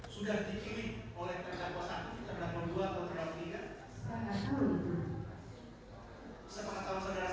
saudara nisa saudara niki bagaimana keterangan saksi ini